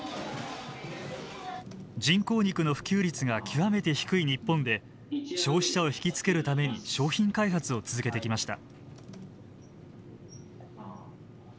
人工肉の普及率が極めて低い日本で消費者を引き付けるために商品開発を続けてきました。